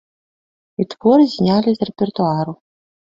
І твор знялі з рэпертуару.